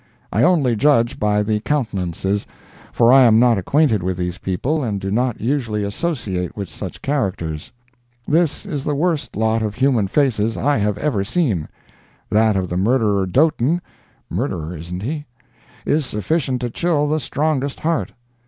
I only judge by the countenances, for I am not acquainted with these people, and do not usually associate with such characters. This is the worst lot of human faces I have ever seen. That of the murderer Doten, (murderer, isn't he?) is sufficient to chill the strongest heart.